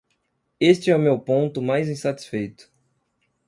Este é o meu ponto mais insatisfeito.